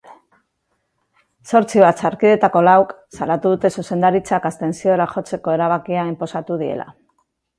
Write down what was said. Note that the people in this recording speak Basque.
Zortzi batzarkideetako lauk salatu dute zuzendaritzak abstentziora jotzeko erabakia inposatu diela.